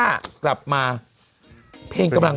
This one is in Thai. มันติดคุกออกไปออกมาได้สองเดือน